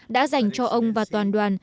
đã dành cho ông và toàn đoàn